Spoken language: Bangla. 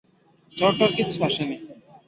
জ্বর-টর কিচ্ছু আসেনি।